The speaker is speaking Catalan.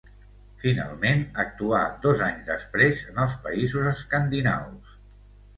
Finalment actuà dos anys després, en els països escandinaus.